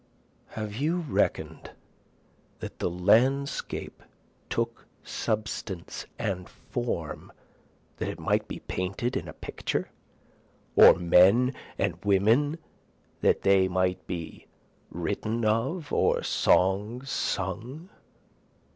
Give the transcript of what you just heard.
Have you reckon'd that the landscape took substance and form that it might be painted in a picture? Or men and women that they might be written of, and songs sung?